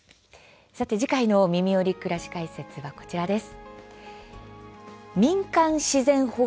さて、次回の「みみより！くらし解説」テーマは、こちらです。